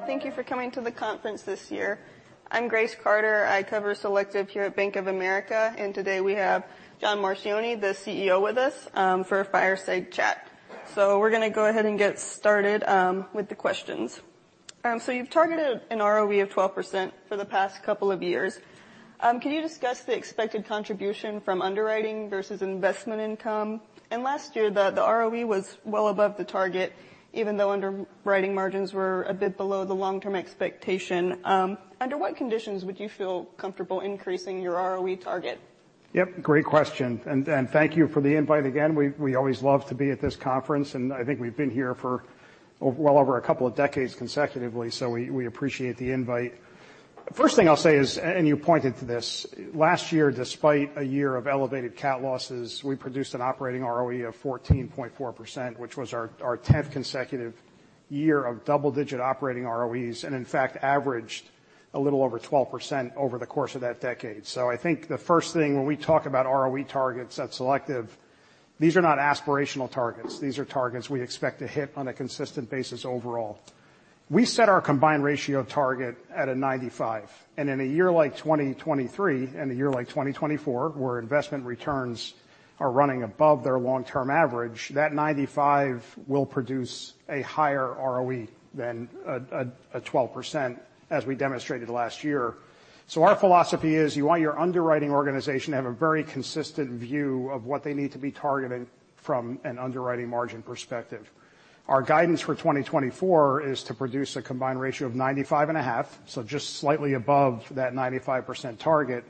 Thank you for coming to the conference this year. I'm Grace Carter. I cover Selective here at Bank of America, and today we have John Marchioni, the CEO, with us for a fireside chat. So we're going to go ahead and get started with the questions. So you've targeted an ROE of 12% for the past couple of years. Can you discuss the expected contribution from underwriting versus investment income? And last year, the ROE was well above the target, even though underwriting margins were a bit below the long-term expectation. Under what conditions would you feel comfortable increasing your ROE target? Yep, great question. Thank you for the invite again. We always love to be at this conference, and I think we've been here for well over a couple of decades consecutively, so we appreciate the invite. First thing I'll say is, and you pointed to this, last year, despite a year of elevated CAT losses, we produced an operating ROE of 14.4%, which was our 10th consecutive year of double-digit operating ROEs and, in fact, averaged a little over 12% over the course of that decade. I think the first thing when we talk about ROE targets at Selective, these are not aspirational targets. These are targets we expect to hit on a consistent basis overall. We set our combined ratio target at a 95%. In a year like 2023 and a year like 2024, where investment returns are running above their long-term average, that 95% will produce a higher ROE than a 12%, as we demonstrated last year. So our philosophy is you want your underwriting organization to have a very consistent view of what they need to be targeting from an underwriting margin perspective. Our guidance for 2024 is to produce a combined ratio of 95.5%, so just slightly above that 95% target.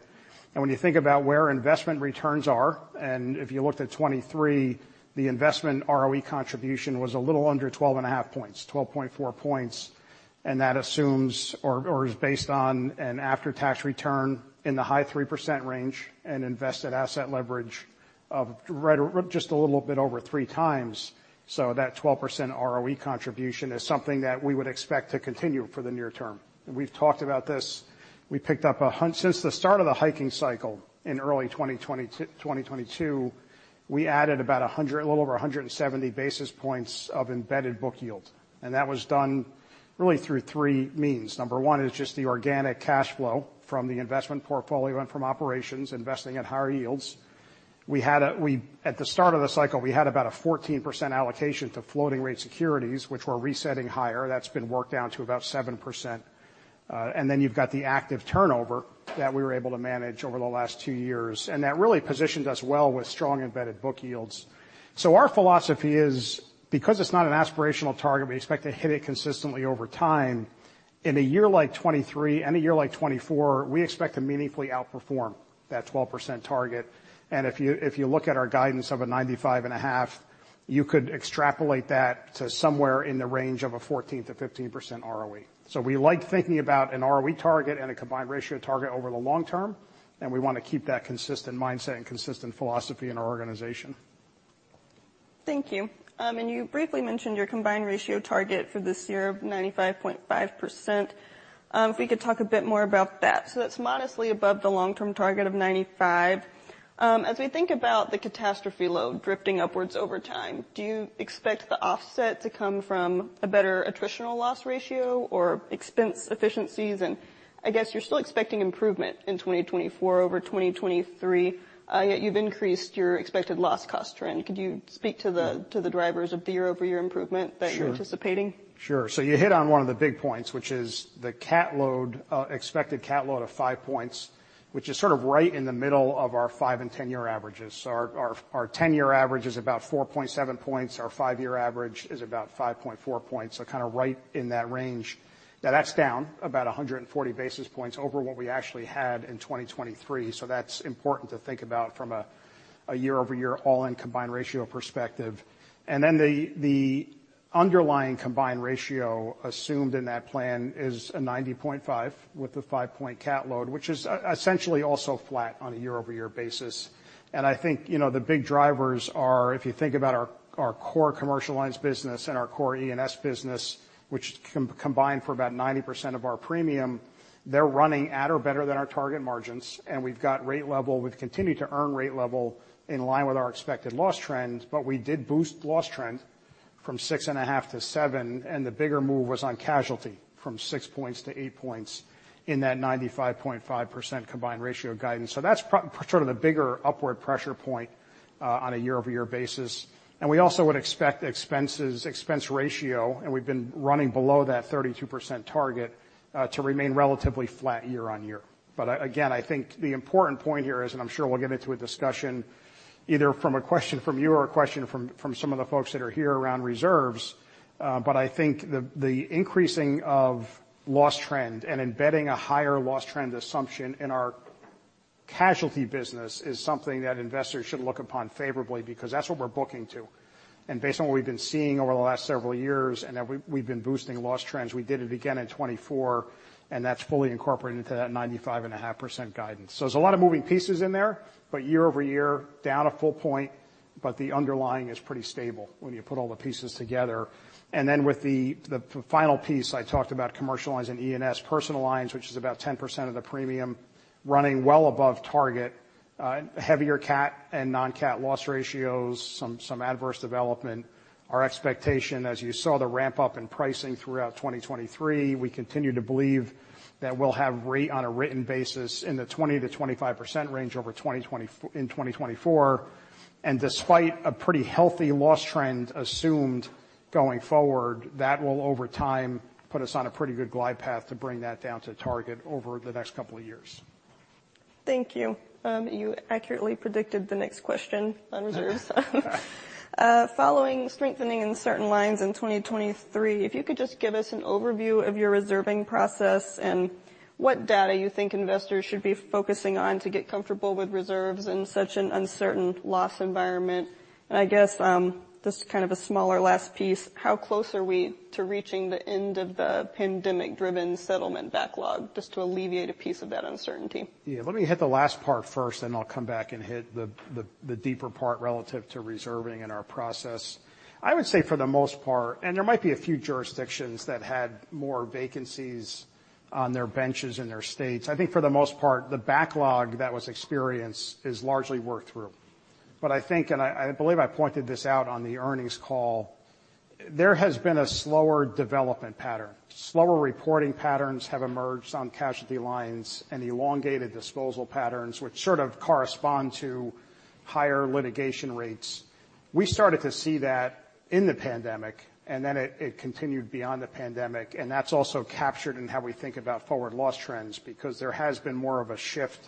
And when you think about where investment returns are, and if you looked at 2023, the investment ROE contribution was a little under 12.5 points, 12.4 points, and that assumes or is based on an after-tax return in the high 3% range and invested asset leverage of just a little bit over 3 times. So that 12% ROE contribution is something that we would expect to continue for the near term. And we've talked about this. We picked up, since the start of the hiking cycle in early 2022, we added about a little over 170 basis points of embedded book yield. And that was done really through three means. Number one is just the organic cash flow from the investment portfolio and from operations, investing at higher yields. At the start of the cycle, we had about a 14% allocation to floating-rate securities, which were resetting higher. That's been worked down to about 7%. And then you've got the active turnover that we were able to manage over the last two years, and that really positioned us well with strong embedded book yields. So our philosophy is, because it's not an aspirational target, we expect to hit it consistently over time. In a year like 2023 and a year like 2024, we expect to meaningfully outperform that 12% target. If you look at our guidance of a 95.5%, you could extrapolate that to somewhere in the range of a 14%-15% ROE. We like thinking about an ROE target and a combined ratio target over the long term, and we want to keep that consistent mindset and consistent philosophy in our organization. Thank you. You briefly mentioned your combined ratio target for this year of 95.5%. If we could talk a bit more about that. That's modestly above the long-term target of 95%. As we think about the catastrophe load drifting upwards over time, do you expect the offset to come from a better attritional loss ratio or expense efficiencies? I guess you're still expecting improvement in 2024 over 2023, yet you've increased your expected loss cost trend. Could you speak to the drivers of the year-over-year improvement that you're anticipating? Sure. So you hit on one of the big points, which is the expected CAT load of 5 points, which is sort of right in the middle of our 5-year and 10-year averages. So our 10-year average is about 4.7 points. Our 5-year average is about 5.4 points, so kind of right in that range. Now, that's down about 140 basis points over what we actually had in 2023, so that's important to think about from a year-over-year all-in combined ratio perspective. And then the underlying combined ratio assumed in that plan is a 90.5% with the 5-point CAT load, which is essentially also flat on a year-over-year basis. And I think the big drivers are, if you think about our core commercial lines business and our core E&S business, which combine for about 90% of our premium, they're running at or better than our target margins. We've got rate level we've continued to earn rate level in line with our expected loss trend, but we did boost loss trend from 6.5 - 7, and the bigger move was on casualty from 6 points to 8 points in that 95.5% combined ratio guidance. That's sort of the bigger upward pressure point on a year-over-year basis. We also would expect expense ratio, and we've been running below that 32% target, to remain relatively flat year-over-year. But again, I think the important point here is, and I'm sure we'll get into a discussion either from a question from you or a question from some of the folks that are here around reserves, but I think the increasing of loss trend and embedding a higher loss trend assumption in our casualty business is something that investors should look upon favorably because that's what we're booking to. And based on what we've been seeing over the last several years and that we've been boosting loss trends, we did it again in 2024, and that's fully incorporated into that 95.5% guidance. So there's a lot of moving pieces in there, but year-over-year, down a full point, but the underlying is pretty stable when you put all the pieces together. Then with the final piece, I talked about commercial lines and E&S, personal lines, which is about 10% of the premium, running well above target, heavier cat and non-cat loss ratios, some adverse development. Our expectation, as you saw the ramp-up in pricing throughout 2023, we continue to believe that we'll have rate on a written basis in the 20%-25% range over in 2024. Despite a pretty healthy loss trend assumed going forward, that will, over time, put us on a pretty good glide path to bring that down to target over the next couple of years. Thank you. You accurately predicted the next question on reserves. Following strengthening in certain lines in 2023, if you could just give us an overview of your reserving process and what data you think investors should be focusing on to get comfortable with reserves in such an uncertain loss environment? I guess just kind of a smaller last piece, how close are we to reaching the end of the pandemic-driven settlement backlog, just to alleviate a piece of that uncertainty? Yeah, let me hit the last part first, then I'll come back and hit the deeper part relative to reserving in our process. I would say, for the most part, and there might be a few jurisdictions that had more vacancies on their benches in their states. I think, for the most part, the backlog that was experienced is largely worked through. But I think, and I believe I pointed this out on the earnings call, there has been a slower development pattern. Slower reporting patterns have emerged on casualty lines and elongated disposal patterns, which sort of correspond to higher litigation rates. We started to see that in the pandemic, and then it continued beyond the pandemic. And that's also captured in how we think about forward loss trends because there has been more of a shift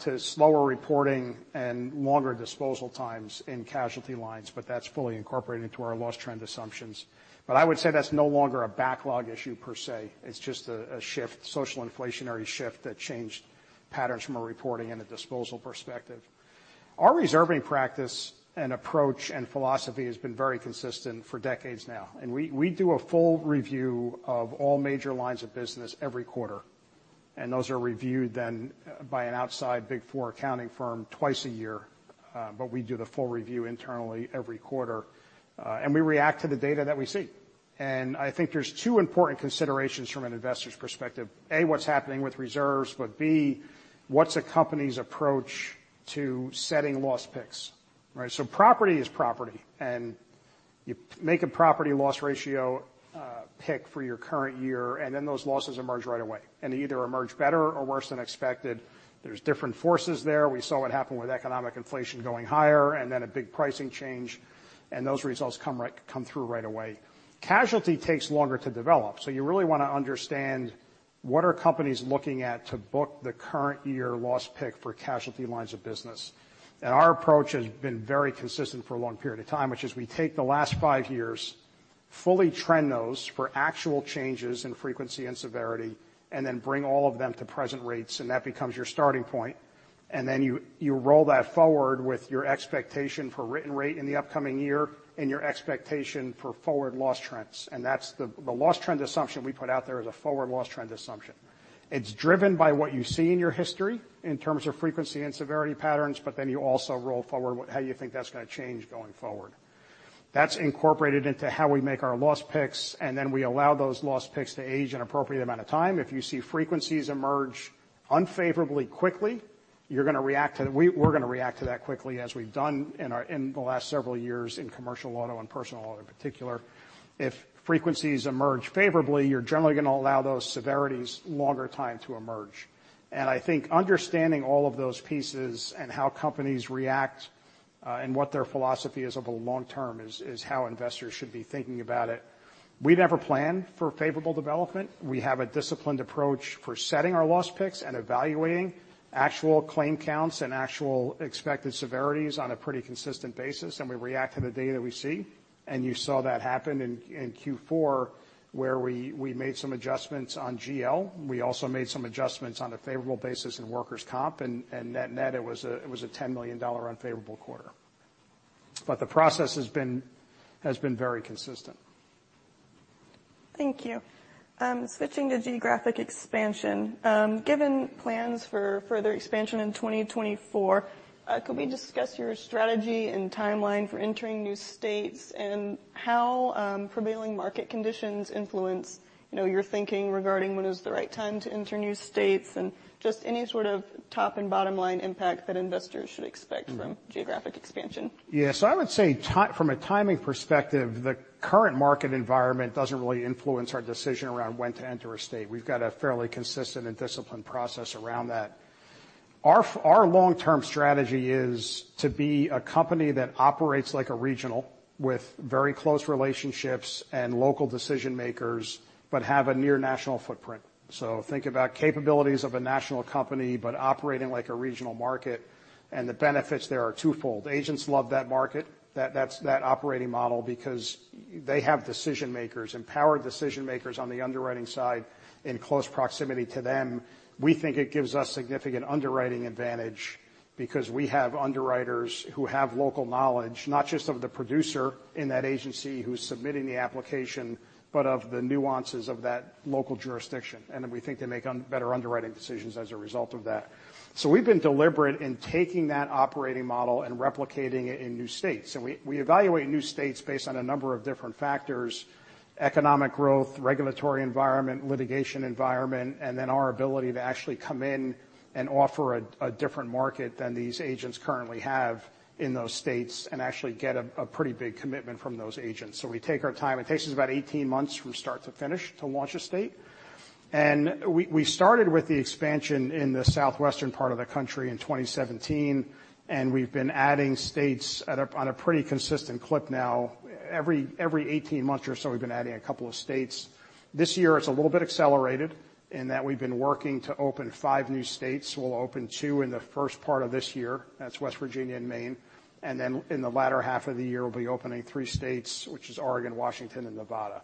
to slower reporting and longer disposal times in casualty lines, but that's fully incorporated into our loss trend assumptions. But I would say that's no longer a backlog issue per se. It's just a shift, social inflationary shift, that changed patterns from a reporting and a disposal perspective. Our reserving practice and approach and philosophy has been very consistent for decades now. And we do a full review of all major lines of business every quarter, and those are reviewed then by an outside Big Four accounting firm twice a year. But we do the full review internally every quarter, and we react to the data that we see. And I think there's two important considerations from an investor's perspective. A, what's happening with reserves, but B, what's a company's approach to setting loss picks? Property is property, and you make a property loss ratio pick for your current year, and then those losses emerge right away. They either emerge better or worse than expected. There's different forces there. We saw what happened with economic inflation going higher and then a big pricing change, and those results come through right away. Casualty takes longer to develop, so you really want to understand what are companies looking at to book the current year loss pick for casualty lines of business. Our approach has been very consistent for a long period of time, which is we take the last five years, fully trend those for actual changes in frequency and severity, and then bring all of them to present rates. That becomes your starting point. And then you roll that forward with your expectation for written rate in the upcoming year and your expectation for forward loss trends. And the loss trend assumption we put out there is a forward loss trend assumption. It's driven by what you see in your history in terms of frequency and severity patterns, but then you also roll forward how you think that's going to change going forward. That's incorporated into how we make our loss picks, and then we allow those loss picks to age an appropriate amount of time. If you see frequencies emerge unfavorably quickly, we're going to react to that quickly, as we've done in the last several years in Commercial Auto and Personal Auto in particular. If frequencies emerge favorably, you're generally going to allow those severities longer time to emerge. I think understanding all of those pieces and how companies react and what their philosophy is over the long term is how investors should be thinking about it. We never plan for favorable development. We have a disciplined approach for setting our loss picks and evaluating actual claim counts and actual expected severities on a pretty consistent basis, and we react to the data that we see. You saw that happen in Q4, where we made some adjustments on GL. We also made some adjustments on a favorable basis in workers' comp. Net-net, it was a $10 million unfavorable quarter. The process has been very consistent. Thank you. Switching to geographic expansion, given plans for further expansion in 2024, could we discuss your strategy and timeline for entering new states and how prevailing market conditions influence your thinking regarding when is the right time to enter new states and just any sort of top- and bottom-line impact that investors should expect from geographic expansion? Yeah, so I would say, from a timing perspective, the current market environment doesn't really influence our decision around when to enter a state. We've got a fairly consistent and disciplined process around that. Our long-term strategy is to be a company that operates like a regional with very close relationships and local decision makers but have a near-national footprint. So think about capabilities of a national company but operating like a regional market, and the benefits there are twofold. Agents love that market, that operating model, because they have decision makers, empowered decision makers on the underwriting side in close proximity to them. We think it gives us significant underwriting advantage because we have underwriters who have local knowledge, not just of the producer in that agency who's submitting the application, but of the nuances of that local jurisdiction. And then we think they make better underwriting decisions as a result of that. So we've been deliberate in taking that operating model and replicating it in new states. And we evaluate new states based on a number of different factors: economic growth, regulatory environment, litigation environment, and then our ability to actually come in and offer a different market than these agents currently have in those states and actually get a pretty big commitment from those agents. So we take our time. It takes us about 18 months from start to finish to launch a state. And we started with the expansion in the southwestern part of the country in 2017, and we've been adding states on a pretty consistent clip now. Every 18 months or so, we've been adding a couple of states. This year, it's a little bit accelerated in that we've been working to open 5 new states. We'll open 2 in the first part of this year. That's West Virginia and Maine. And then in the latter half of the year, we'll be opening 3 states, which is Oregon, Washington, and Nevada.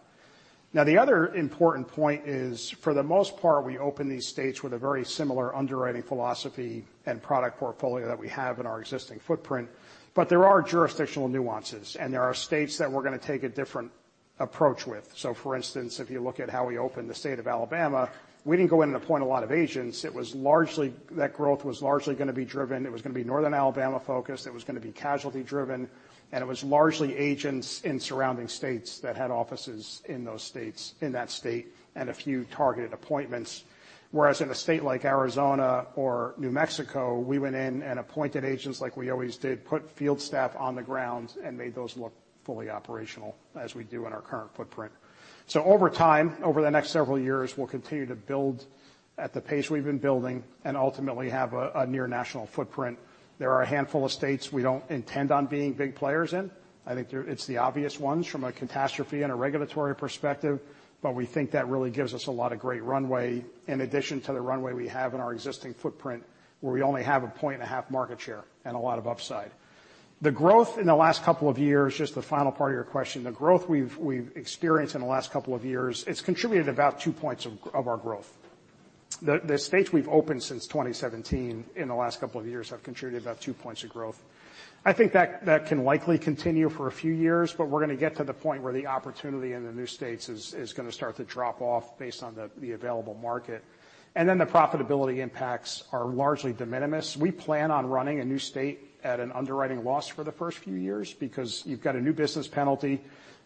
Now, the other important point is, for the most part, we open these states with a very similar underwriting philosophy and product portfolio that we have in our existing footprint. But there are jurisdictional nuances, and there are states that we're going to take a different approach with. So, for instance, if you look at how we opened the state of Alabama, we didn't go in and appoint a lot of agents. That growth was largely going to be driven. It was going to be northern Alabama-focused. It was going to be casualty-driven. It was largely agents in surrounding states that had offices in that state and a few targeted appointments. Whereas in a state like Arizona or New Mexico, we went in and appointed agents like we always did, put field staff on the ground, and made those look fully operational, as we do in our current footprint. So over time, over the next several years, we'll continue to build at the pace we've been building and ultimately have a near-national footprint. There are a handful of states we don't intend on being big players in. I think it's the obvious ones from a catastrophe and a regulatory perspective, but we think that really gives us a lot of great runway in addition to the runway we have in our existing footprint, where we only have a point-and-a-half market share and a lot of upside. The growth in the last couple of years, just the final part of your question. The growth we've experienced in the last couple of years, it's contributed about two points of our growth. The states we've opened since 2017 in the last couple of years have contributed about two points of growth. I think that can likely continue for a few years, but we're going to get to the point where the opportunity in the new states is going to start to drop off based on the available market. And then the profitability impacts are largely de minimis. We plan on running a new state at an underwriting loss for the first few years because you've got a new business penalty,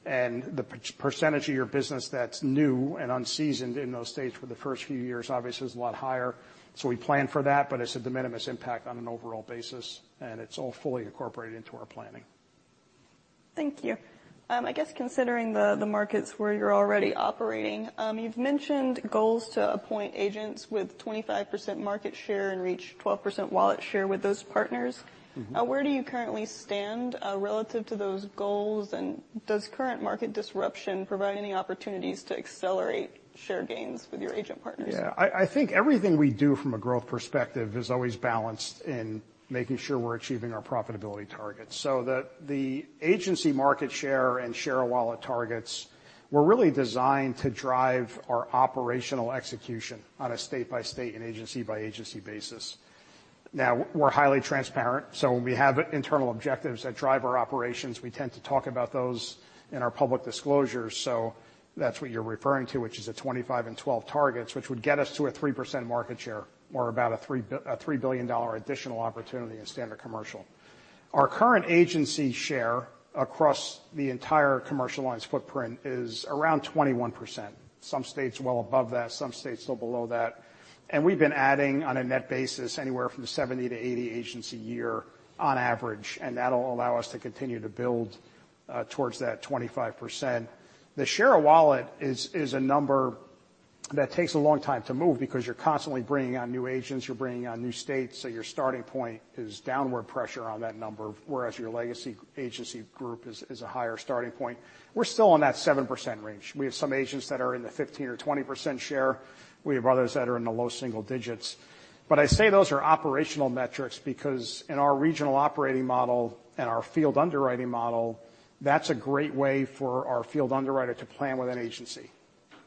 and the percentage of your business that's new and unseasoned in those states for the first few years, obviously, is a lot higher. We plan for that, but it's a de minimis impact on an overall basis, and it's all fully incorporated into our planning. Thank you. I guess considering the markets where you're already operating, you've mentioned goals to appoint agents with 25% market share and reach 12% wallet share with those partners. Where do you currently stand relative to those goals, and does current market disruption provide any opportunities to accelerate share gains with your agent partners? Yeah, I think everything we do from a growth perspective is always balanced in making sure we're achieving our profitability targets. So the agency market share and share of wallet targets were really designed to drive our operational execution on a state-by-state and agency-by-agency basis. Now, we're highly transparent, so when we have internal objectives that drive our operations, we tend to talk about those in our public disclosures. So that's what you're referring to, which is the 25% and 12% targets, which would get us to a 3% market share or about a $3 billion additional opportunity in standard commercial. Our current agency share across the entire commercial lines footprint is around 21%, some states well above that, some states still below that. We've been adding on a net basis anywhere from 70-80 agencies a year on average, and that'll allow us to continue to build towards that 25%. The share of wallet is a number that takes a long time to move because you're constantly bringing on new agents. You're bringing on new states, so your starting point is downward pressure on that number, whereas your legacy agency group is a higher starting point. We're still in that 7% range. We have some agents that are in the 15% or 20% share. We have others that are in the low single digits. But I say those are operational metrics because, in our regional operating model and our field underwriting model, that's a great way for our field underwriter to plan with an agency.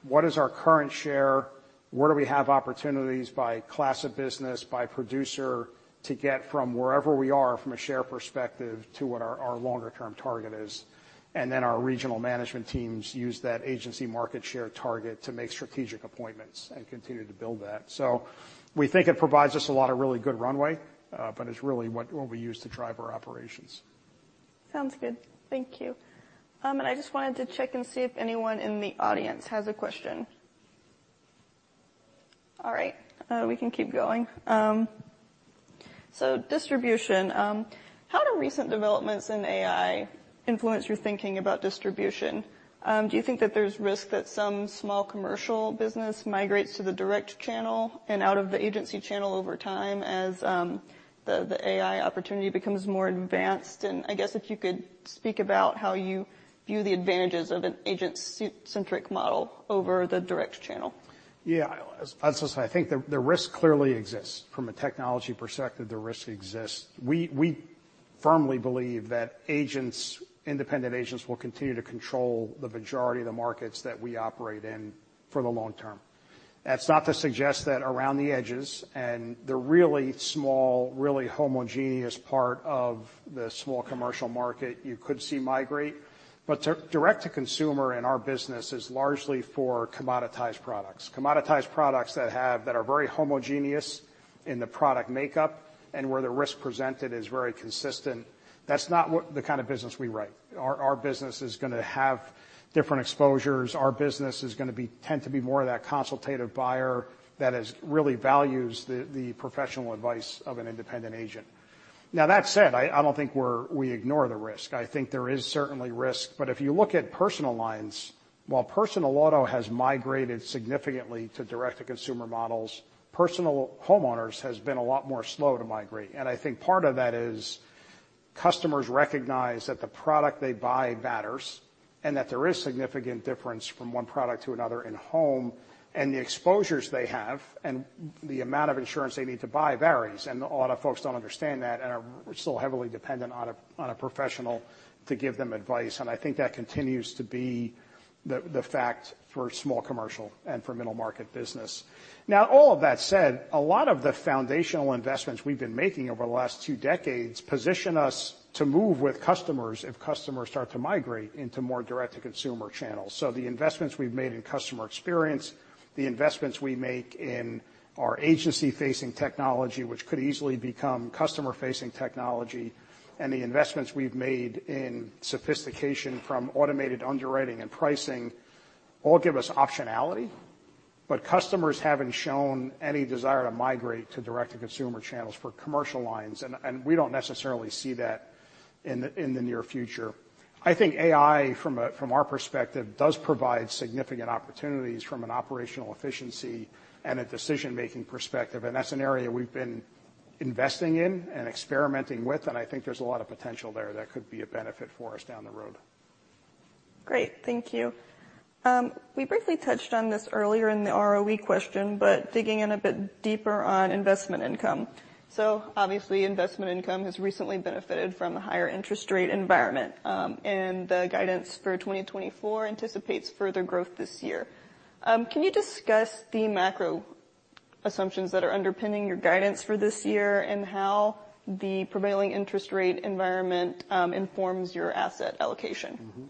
What is our current share? Where do we have opportunities by class of business, by producer to get from wherever we are from a share perspective to what our longer-term target is? And then our regional management teams use that agency market share target to make strategic appointments and continue to build that. So we think it provides us a lot of really good runway, but it's really what we use to drive our operations. Sounds good. Thank you. I just wanted to check and see if anyone in the audience has a question. All right, we can keep going. So distribution. How do recent developments in AI influence your thinking about distribution? Do you think that there's risk that some small commercial business migrates to the direct channel and out of the agency channel over time as the AI opportunity becomes more advanced? And I guess if you could speak about how you view the advantages of an agent-centric model over the direct channel. Yeah, I'd also say I think the risk clearly exists. From a technology perspective, the risk exists. We firmly believe that independent agents will continue to control the majority of the markets that we operate in for the long term. That's not to suggest that around the edges and the really small, really homogeneous part of the small commercial market you could see migrate. But direct-to-consumer in our business is largely for commoditized products, commoditized products that are very homogeneous in the product makeup and where the risk presented is very consistent. That's not the kind of business we write. Our business is going to have different exposures. Our business tends to be more of that consultative buyer that really values the professional advice of an independent agent. Now, that said, I don't think we ignore the risk. I think there is certainly risk. But if you look at personal lines, while personal auto has migrated significantly to direct-to-consumer models, personal homeowners have been a lot more slow to migrate. And I think part of that is customers recognize that the product they buy matters and that there is significant difference from one product to another in home, and the exposures they have and the amount of insurance they need to buy varies. And a lot of folks don't understand that and are still heavily dependent on a professional to give them advice. And I think that continues to be the fact for small commercial and for middle-market business. Now, all of that said, a lot of the foundational investments we've been making over the last two decades position us to move with customers if customers start to migrate into more direct-to-consumer channels. So the investments we've made in customer experience, the investments we make in our agency-facing technology, which could easily become customer-facing technology, and the investments we've made in sophistication from automated underwriting and pricing all give us optionality. But customers haven't shown any desire to migrate to direct-to-consumer channels for commercial lines, and we don't necessarily see that in the near future. I think AI, from our perspective, does provide significant opportunities from an operational efficiency and a decision-making perspective. And that's an area we've been investing in and experimenting with, and I think there's a lot of potential there that could be a benefit for us down the road. Great, thank you. We briefly touched on this earlier in the ROE question, but digging in a bit deeper on investment income. So obviously, investment income has recently benefited from the higher interest rate environment, and the guidance for 2024 anticipates further growth this year. Can you discuss the macro assumptions that are underpinning your guidance for this year and how the prevailing interest rate environment informs your asset allocation?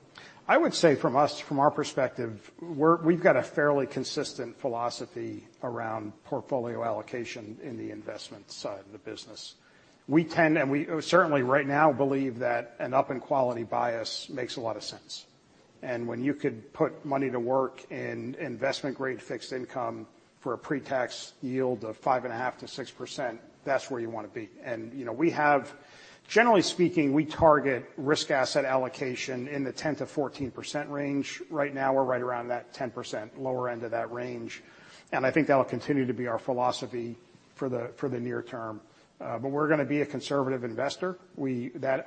I would say, from our perspective, we've got a fairly consistent philosophy around portfolio allocation in the investment side of the business. We tend, and we certainly right now believe, that an up-in-quality bias makes a lot of sense. When you could put money to work in investment-grade fixed income for a pretax yield of 5.5%-6%, that's where you want to be. Generally speaking, we target risk asset allocation in the 10%-14% range. Right now, we're right around that 10% lower end of that range, and I think that'll continue to be our philosophy for the near term. But we're going to be a conservative investor.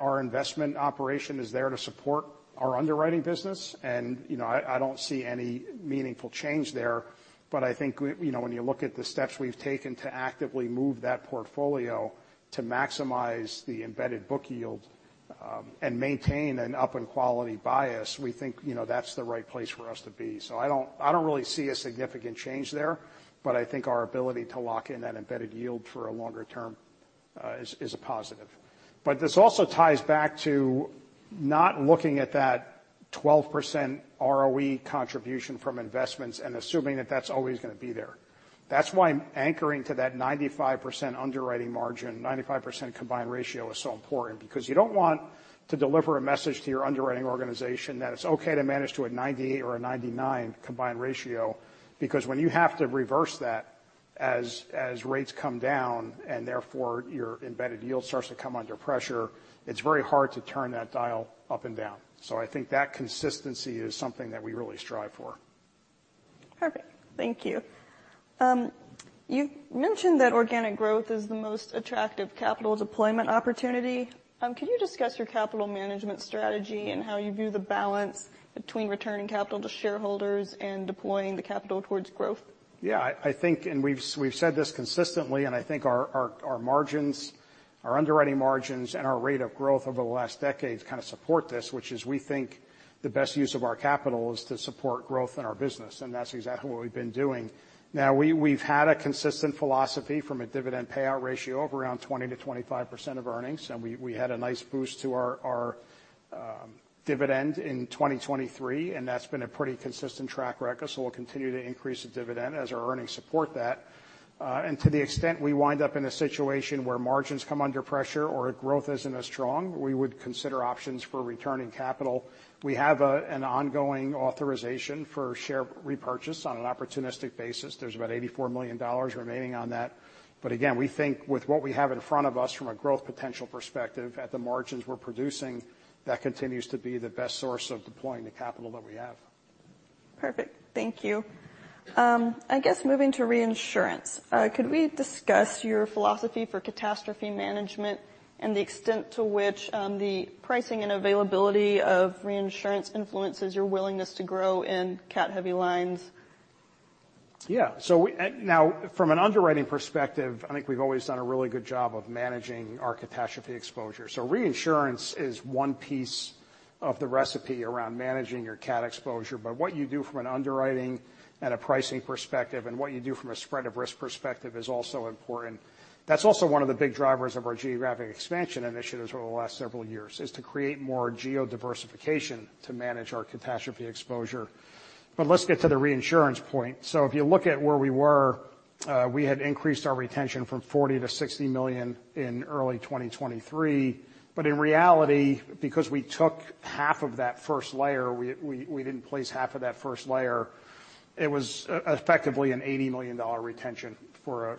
Our investment operation is there to support our underwriting business, and I don't see any meaningful change there. But I think when you look at the steps we've taken to actively move that portfolio to maximize the embedded book yield and maintain an up-in-quality bias, we think that's the right place for us to be. So I don't really see a significant change there, but I think our ability to lock in that embedded yield for a longer term is a positive. But this also ties back to not looking at that 12% ROE contribution from investments and assuming that that's always going to be there. That's why anchoring to that 95% underwriting margin, 95% combined ratio, is so important because you don't want to deliver a message to your underwriting organization that it's okay to manage to a 98% or a 99% combined ratio because when you have to reverse that as rates come down and, therefore, your embedded yield starts to come under pressure, it's very hard to turn that dial up and down. So I think that consistency is something that we really strive for. Perfect, thank you. You've mentioned that organic growth is the most attractive capital deployment opportunity. Could you discuss your capital management strategy and how you view the balance between returning capital to shareholders and deploying the capital towards growth? Yeah, I think, and we've said this consistently, and I think our margins, our underwriting margins, and our rate of growth over the last decade kind of support this, which is we think the best use of our capital is to support growth in our business, and that's exactly what we've been doing. Now, we've had a consistent philosophy from a dividend payout ratio of around 20%-25% of earnings, and we had a nice boost to our dividend in 2023, and that's been a pretty consistent track record. So we'll continue to increase the dividend as our earnings support that. And to the extent we wind up in a situation where margins come under pressure or growth isn't as strong, we would consider options for returning capital. We have an ongoing authorization for share repurchase on an opportunistic basis. There's about $84 million remaining on that. But again, we think with what we have in front of us from a growth potential perspective, at the margins we're producing, that continues to be the best source of deploying the capital that we have. Perfect, thank you. I guess moving to reinsurance. Could we discuss your philosophy for catastrophe management and the extent to which the pricing and availability of reinsurance influences your willingness to grow in CAT-heavy lines? Yeah, so now, from an underwriting perspective, I think we've always done a really good job of managing our catastrophe exposure. So reinsurance is one piece of the recipe around managing your CAT exposure, but what you do from an underwriting and a pricing perspective and what you do from a spread-of-risk perspective is also important. That's also one of the big drivers of our geographic expansion initiatives over the last several years is to create more geodiversification to manage our catastrophe exposure. But let's get to the reinsurance point. So if you look at where we were, we had increased our retention from $40 million-$60 million in early 2023. But in reality, because we took half of that first layer, we didn't place half of that first layer. It was effectively an $80 million retention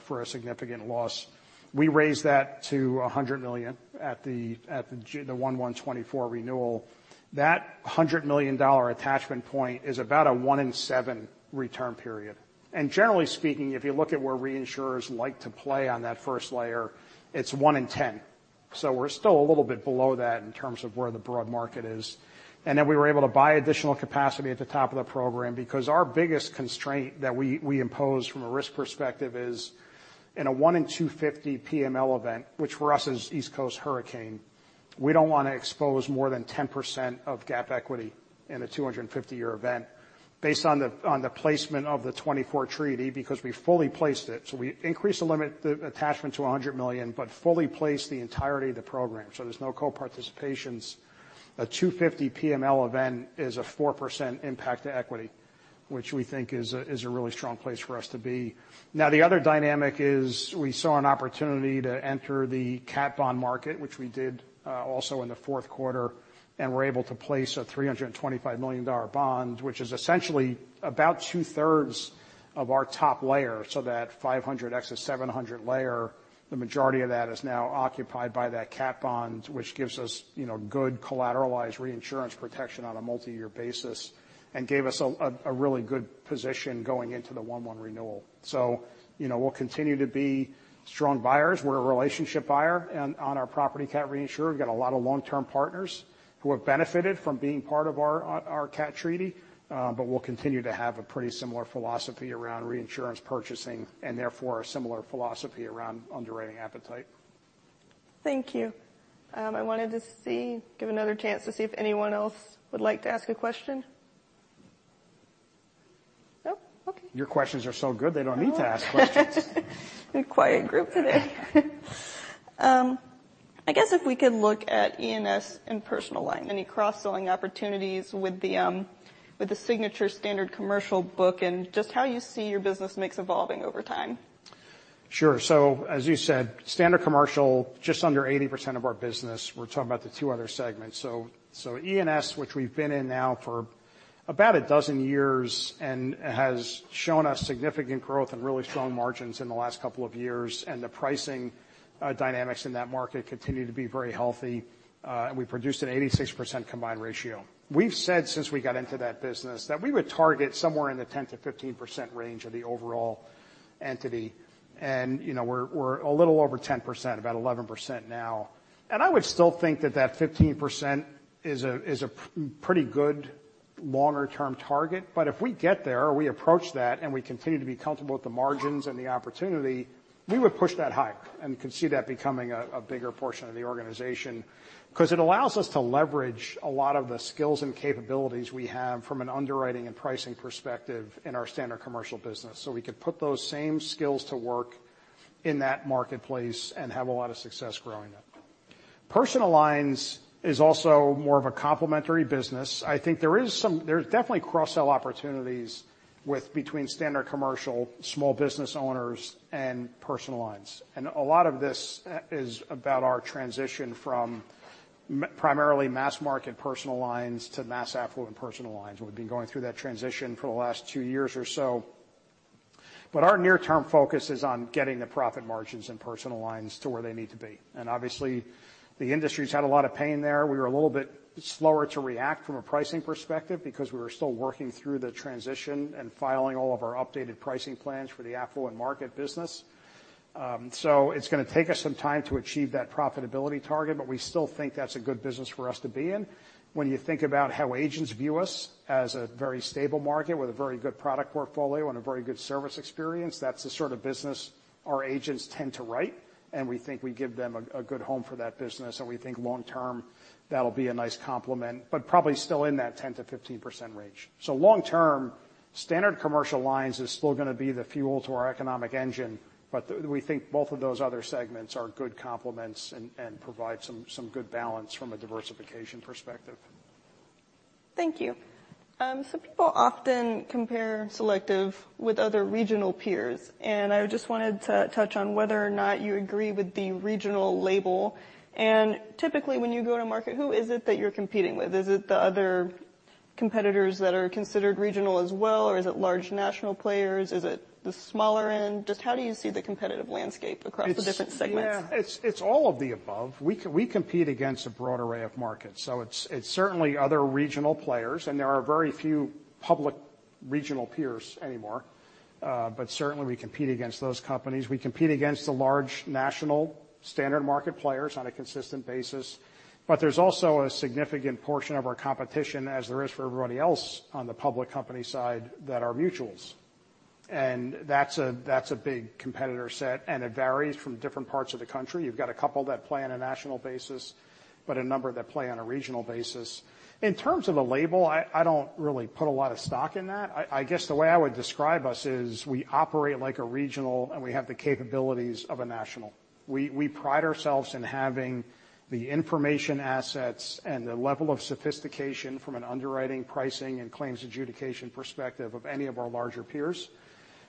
for a significant loss. We raised that to $100 million at the 1/1/2024 renewal. That $100 million attachment point is about a 1 in 7 return period. And generally speaking, if you look at where reinsurers like to play on that first layer, it's 1 in 10. So we're still a little bit below that in terms of where the broad market is. And then we were able to buy additional capacity at the top of the program because our biggest constraint that we impose from a risk perspective is in a 1 in 250 PML event, which for us is East Coast Hurricane, we don't want to expose more than 10% of GAAP equity in a 250-year event based on the placement of the 2024 treaty because we fully placed it. So we increased the limit attachment to $100 million but fully placed the entirety of the program, so there's no co-participations. A 250 PML event is a 4% impact to equity, which we think is a really strong place for us to be. Now, the other dynamic is we saw an opportunity to enter the CAT bond market, which we did also in the fourth quarter, and were able to place a $325 million bond, which is essentially about two-thirds of our top layer. So that 500 excess 700 layer, the majority of that is now occupied by that CAT bond, which gives us good collateralized reinsurance protection on a multi-year basis and gave us a really good position going into the 1/1 renewal. So we'll continue to be strong buyers. We're a relationship buyer on our property CAT reinsurer. We've got a lot of long-term partners who have benefited from being part of our CAT treaty. We'll continue to have a pretty similar philosophy around reinsurance purchasing and, therefore, a similar philosophy around underwriting appetite. Thank you. I wanted to give another chance to see if anyone else would like to ask a question. No? Okay. Your questions are so good, they don't need to ask questions. Quiet group today. I guess if we could look at E&S and Personal Lines, any cross-selling opportunities with the standard commercial book and just how you see your business mix evolving over time? Sure, so as you said, standard commercial, just under 80% of our business. We're talking about the two other segments. So E&S, which we've been in now for about a dozen years and has shown us significant growth and really strong margins in the last couple of years, and the pricing dynamics in that market continue to be very healthy. And we produced an 86% combined ratio. We've said since we got into that business that we would target somewhere in the 10%-15% range of the overall entity. And we're a little over 10%, about 11% now. And I would still think that that 15% is a pretty good longer-term target. But if we get there or we approach that and we continue to be comfortable with the margins and the opportunity, we would push that higher and could see that becoming a bigger portion of the organization because it allows us to leverage a lot of the skills and capabilities we have from an underwriting and pricing perspective in our Standard Commercial business. So we could put those same skills to work in that marketplace and have a lot of success growing it. Personal Lines is also more of a complementary business. I think there are definitely cross-sell opportunities between Standard Commercial, small business owners, and Personal Lines. And a lot of this is about our transition from primarily mass-market Personal Lines to mass-affluent Personal Lines. We've been going through that transition for the last two years or so. But our near-term focus is on getting the profit margins in personal lines to where they need to be. Obviously, the industry's had a lot of pain there. We were a little bit slower to react from a pricing perspective because we were still working through the transition and filing all of our updated pricing plans for the affluent market business. It's going to take us some time to achieve that profitability target, but we still think that's a good business for us to be in. When you think about how agents view us as a very stable market with a very good product portfolio and a very good service experience, that's the sort of business our agents tend to write. We think we give them a good home for that business, and we think long-term, that'll be a nice complement but probably still in that 10%-15% range. So long-term, standard commercial lines is still going to be the fuel to our economic engine, but we think both of those other segments are good complements and provide some good balance from a diversification perspective. Thank you. So people often compare Selective with other regional peers, and I just wanted to touch on whether or not you agree with the regional label. Typically, when you go to market, who is it that you're competing with? Is it the other competitors that are considered regional as well, or is it large national players? Is it the smaller end? Just how do you see the competitive landscape across the different segments? Yeah, it's all of the above. We compete against a broad array of markets. So it's certainly other regional players, and there are very few public regional peers anymore. But certainly, we compete against those companies. We compete against the large national standard market players on a consistent basis. But there's also a significant portion of our competition, as there is for everybody else on the public company side, that are mutuals. And that's a big competitor set, and it varies from different parts of the country. You've got a couple that play on a national basis but a number that play on a regional basis. In terms of the label, I don't really put a lot of stock in that. I guess the way I would describe us is we operate like a regional, and we have the capabilities of a national. We pride ourselves in having the information assets and the level of sophistication from an underwriting, pricing, and claims adjudication perspective of any of our larger peers.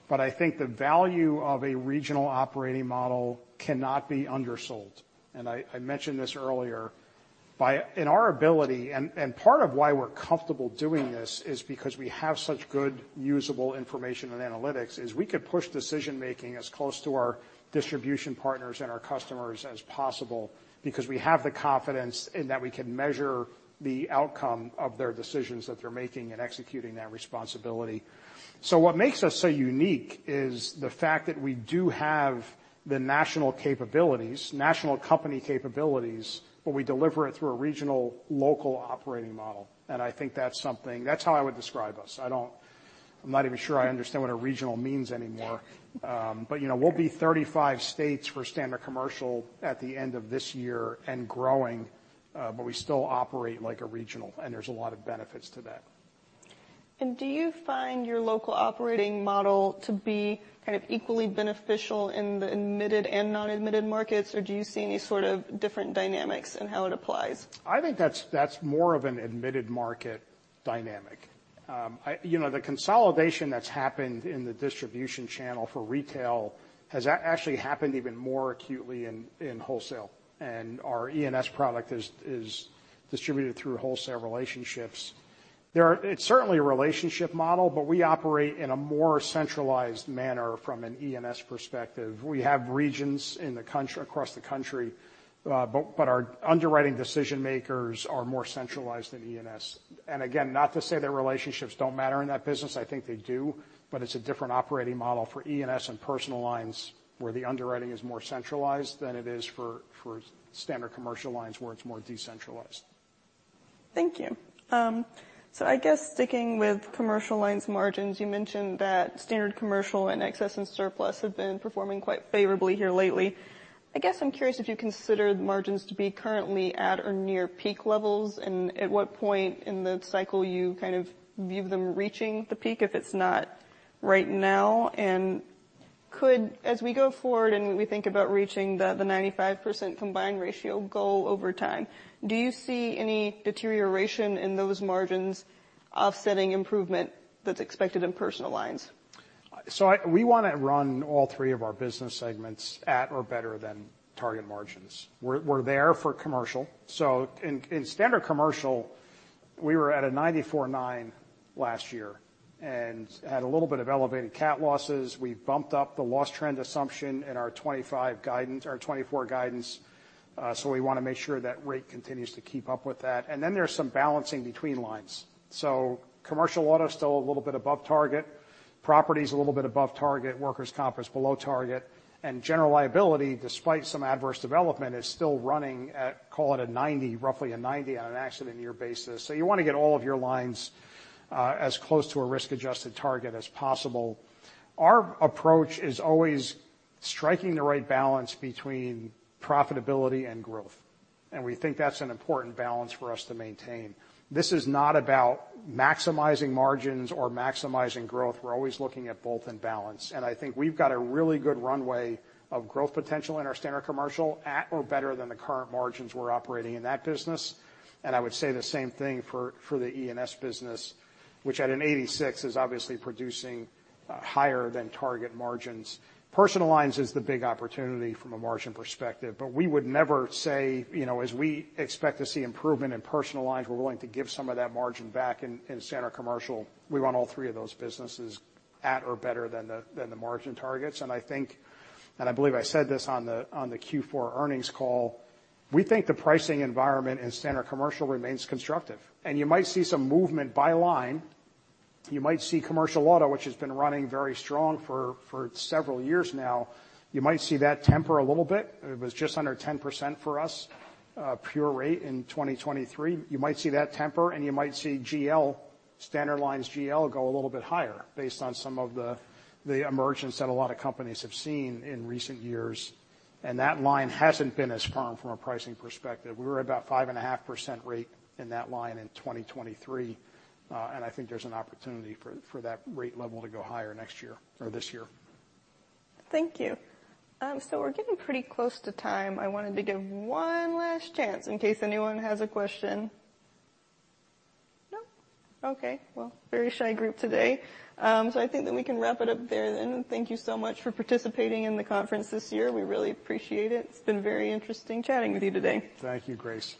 But I think the value of a regional operating model cannot be undersold. And I mentioned this earlier. In our ability, and part of why we're comfortable doing this is because we have such good usable information and analytics, is we could push decision-making as close to our distribution partners and our customers as possible because we have the confidence in that we can measure the outcome of their decisions that they're making and executing that responsibility. So what makes us so unique is the fact that we do have the national capabilities, national company capabilities, but we deliver it through a regional, local operating model. And I think that's how I would describe us. I'm not even sure I understand what a regional means anymore. But we'll be 35 states for standard commercial at the end of this year and growing, but we still operate like a regional, and there's a lot of benefits to that. Do you find your local operating model to be kind of equally beneficial in the admitted and non-admitted markets, or do you see any sort of different dynamics in how it applies? I think that's more of an admitted market dynamic. The consolidation that's happened in the distribution channel for retail has actually happened even more acutely in wholesale. And our E&S product is distributed through wholesale relationships. It's certainly a relationship model, but we operate in a more centralized manner from an E&S perspective. We have regions across the country, but our underwriting decision-makers are more centralized than E&S. And again, not to say that relationships don't matter in that business. I think they do, but it's a different operating model for E&S and Personal Lines where the underwriting is more centralized than it is for Standard Commercial Lines where it's more decentralized. Thank you. So I guess sticking with commercial lines margins, you mentioned that Standard Commercial and Excess and Surplus have been performing quite favorably here lately. I guess I'm curious if you consider the margins to be currently at or near peak levels, and at what point in the cycle you kind of view them reaching the peak, if it's not right now. And as we go forward and we think about reaching the 95% combined ratio goal over time, do you see any deterioration in those margins offsetting improvement that's expected in Personal Lines? So we want to run all three of our business segments at or better than target margins. We're there for commercial. So in Standard Commercial Lines, we were at a 94.9% last year and had a little bit of elevated CAT losses. We've bumped up the loss trend assumption in our 2024 guidance, so we want to make sure that rate continues to keep up with that. And then there's some balancing between lines. So Commercial Auto's still a little bit above target, Commercial Property a little bit above target, Workers' Compensation is below target, and General Liability, despite some adverse development, is still running, call it a 90%, roughly a 90% on an accident-year basis. So you want to get all of your lines as close to a risk-adjusted target as possible. Our approach is always striking the right balance between profitability and growth, and we think that's an important balance for us to maintain. This is not about maximizing margins or maximizing growth. We're always looking at both in balance. And I think we've got a really good runway of growth potential in our standard commercial at or better than the current margins we're operating in that business. And I would say the same thing for the E&S business, which at 86% is obviously producing higher than target margins. Personal lines is the big opportunity from a margin perspective, but we would never say, as we expect to see improvement in personal lines, we're willing to give some of that margin back. In standard commercial, we run all three of those businesses at or better than the margin targets. And I believe I said this on the Q4 earnings call. We think the pricing environment in standard commercial remains constructive. You might see some movement by line. You might see commercial auto, which has been running very strong for several years now, you might see that temper a little bit. It was just under 10% for us, pure rate, in 2023. You might see that temper, and you might see standard lines GL go a little bit higher based on some of the emergence that a lot of companies have seen in recent years. That line hasn't been as firm from a pricing perspective. We were about 5.5% rate in that line in 2023, and I think there's an opportunity for that rate level to go higher next year or this year. Thank you. So we're getting pretty close to time. I wanted to give one last chance in case anyone has a question. No? Okay, well, very shy group today. So I think that we can wrap it up there then. And thank you so much for participating in the conference this year. We really appreciate it. It's been very interesting chatting with you today. Thank you, Grace.